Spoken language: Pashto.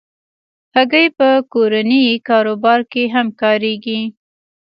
هګۍ په کورني کاروبار کې هم کارېږي.